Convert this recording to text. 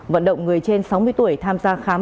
vận động người trên sáu mươi tuổi tham gia khám